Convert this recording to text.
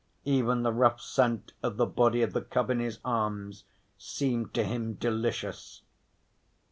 Even the rough scent of the body of the cub in his arms seemed to him delicious.